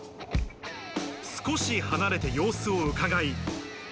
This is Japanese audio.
少し離れて様子をうかがい。